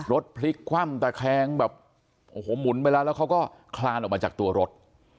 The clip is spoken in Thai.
รถพลิกคว่ำตะแคงแบบโอ้โหหมุนไปแล้วแล้วเขาก็คลานออกมาจากตัวรถ